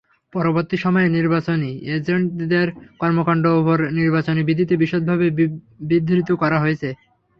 পরবর্তী সময়ে নির্বাচনী এজেন্টদের কর্মকাণ্ডের ওপর নির্বাচনী বিধিতে বিশদভাবে বিধৃত করা হয়েছে।